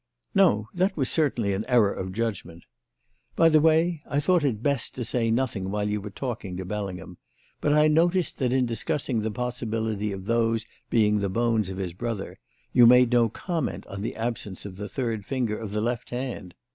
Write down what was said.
"No. That was certainly an error of judgment. By the way, I thought it best to say nothing while you were talking to Bellingham, but I noticed that, in discussing the possibility of those being the bones of his brother, you made no comment on the absence of the third finger of the left hand.